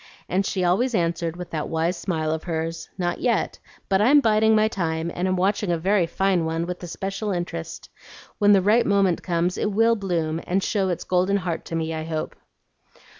and she always answered with that wise smile of hers, "Not yet, but I'm biding my time, and am watching a very fine one with especial interest. When the right moment comes, it will bloom and show its golden heart to me, I hope."